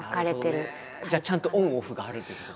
じゃあちゃんとオンオフがあるってことですね。